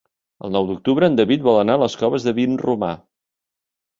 El nou d'octubre en David vol anar a les Coves de Vinromà.